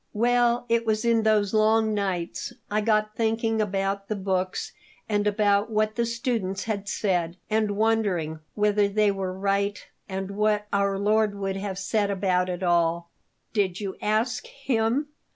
Well, it was in those long nights; I got thinking about the books and about what the students had said and wondering whether they were right and what Our Lord would have said about it all." "Did you ask Him?"